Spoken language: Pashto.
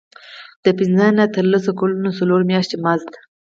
د پنځه نه تر لس کلونو څلور میاشتې مزد.